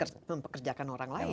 dan mempekerjakan orang lain